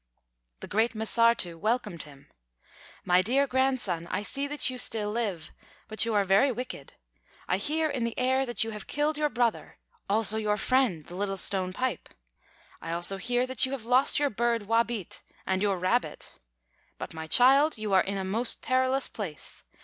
The great M'Sārtū welcomed him: "My dear grandson, I see that you still live; but you are very wicked. I hear in the air that you have killed your brother, also your friend, the Little Stone Pipe. I also hear that you have lost your Bird 'Wābīt' and your Rabbit. But, my child, you are in a most perilous place.